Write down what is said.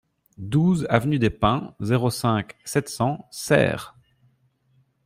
douze avenue des Pins, zéro cinq, sept cents, Serres